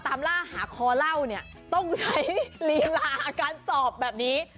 ต้องใช้ลีลาการสอบแบบนี้